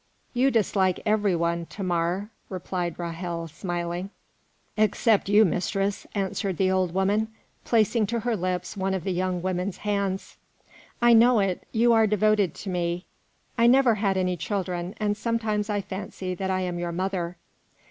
"You dislike every one, Thamar," replied Ra'hel, smiling. "Except you, mistress," answered the old woman, placing to her lips one of the young woman's hands. "I know it. You are devoted to me." "I never had any children, and sometimes I fancy that I am your mother."